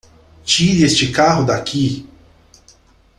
Tire este carro daqui!